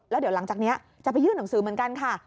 แล้วเดี๋ยวหลังจากนี้จะไปยื่นหนังสือเหมือนกันค่ะ